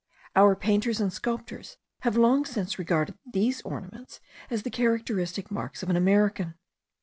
Our painters and sculptors have long since regarded these ornaments as the characteristic marks of an American.